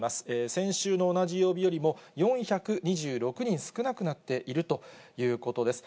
先週の同じ曜日よりも４２６人少なくなっているということです。